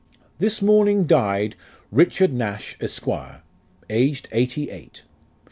This morning died RICHARD NASH, ESQ. Aged eighty eight.